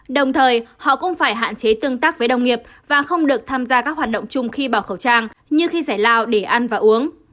đồng thời họ cũng phải hạn chế tương tác với đồng nghiệp và không được tham gia các hoạt động chung khi bảo khẩu trang như khi giải lao để ăn và uống